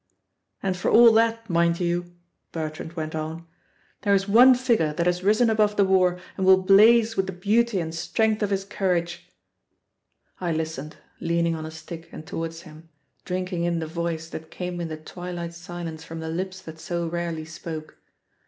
"And for all that, mind you," Bertrand went on, "there is one figure that has risen above the war and will blaze with the beauty and strength of his courage " I listened, leaning on a stick and towards him, drinking in the voice that came in the twilight silence from the lips that so rarely spoke.